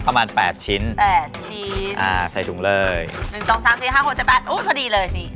ประมาณ๘ชิ้น๘ชิ้นอ่าใส่ถุงเลย๑๒๓๔๕๖๗๘อุ้ยพอดีเลยนี่